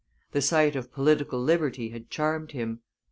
The sight of political liberty had charmed him.